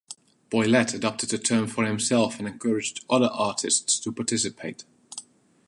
Boilet adopted the term for himself and encouraged other artists to participate.